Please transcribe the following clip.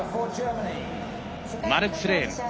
マルクス・レーム。